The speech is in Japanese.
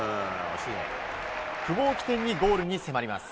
久保を起点にゴールに迫ります。